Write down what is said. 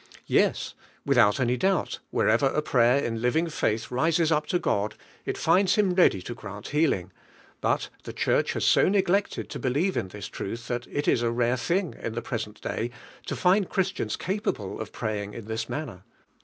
Yes; without any doubt wherever a pray er in living faith rises up to God, it finds Him ready to grant healing; but the Church has so neglected to believe in this truth that it is u rare thing in the present day to find Christians capable of praying in this manner.